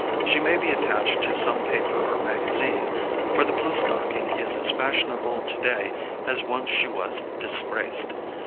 She may be attached to some paper or magazine; for the blue stocking is as fashionable to day as once she was disgraced.